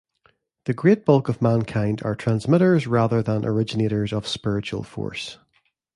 The great bulk of mankind are transmitters rather than originators of spiritual force.